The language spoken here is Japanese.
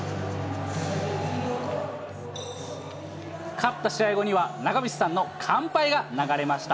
勝った試合後には、長渕さんの乾杯が流れました。